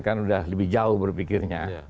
kan sudah lebih jauh berpikirnya